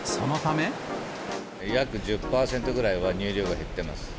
約１０％ぐらいは乳量が減ってます。